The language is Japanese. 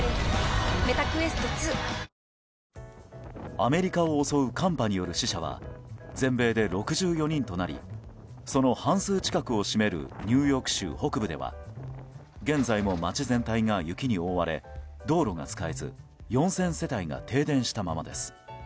アメリカを襲う寒波による死者は全米で６４人となりその半数近くを占めるニューヨーク州北部では現在も街全体が雪に覆われ道路が使えず４０００世帯が停電したままです。